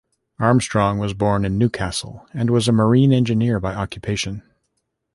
Armstrong was born in Newcastle and was a marine engineer by occupation.